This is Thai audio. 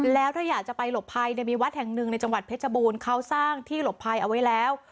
แล้วถ้าอยากจะไปหลบภัยมีวัดแห่งหนึ่งในจังหวัดเพชรบูรณ์เขาสร้างที่หลบภัยเอาไว้แล้ว